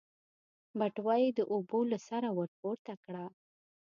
بټوه يې د اوبو له سره ورپورته کړه.